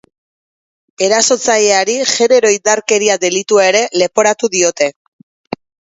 Erasotzaileari genero-indarkeria delitua ere leporatu diote.